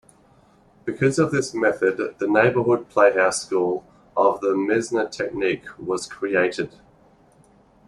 Because of this method the Neighborhood Playhouse School of the Meisner Technique was created.